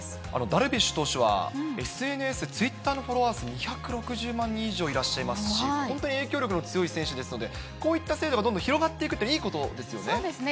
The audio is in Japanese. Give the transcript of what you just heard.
ダルビッシュ投手は、ＳＮＳ、ツイッターのフォロワー数２６０万人以上いらっしゃいますし、本当に影響力の強い選手ですので、こういった制度がどんどん広がっていくって、いいことですよね。